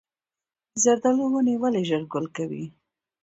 د زردالو ونې ولې ژر ګل کوي؟